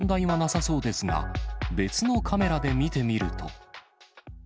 一見すると問題はなさそうですが、別のカメラで見てみると。